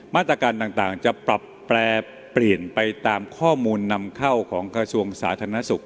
มาตรการต่างจะปรับแปรเปลี่ยนไปตามข้อมูลนำเข้าของกระทรวงสาธารณสุข